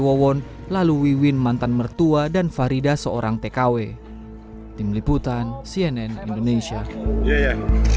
wawon lalu wiwin mantan mertua dan farida seorang tkw tim liputan cnn indonesia